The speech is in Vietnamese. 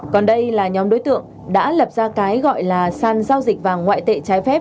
còn đây là nhóm đối tượng đã lập ra cái gọi là sàn giao dịch vàng ngoại tệ trái phép